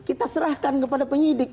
kita serahkan kepada penyidik